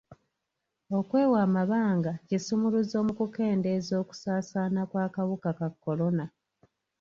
Okwewa amabanga kisumuluzo mu kukendeeza okusaasaana kw'akawuka ka kolona.